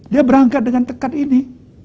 dia berangkat dengan tekat ini